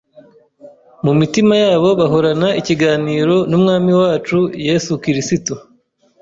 mu mitima yabo bahorana ikiganiro n’Umwami wacu Yesu Kirisitu,